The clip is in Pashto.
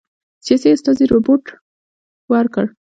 سیاسي استازي رپوټ ورکړ.